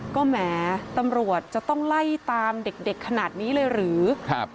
ก็แหมตำรวจจะต้องไล่ตามเด็กเด็กขนาดนี้เลยหรือครับ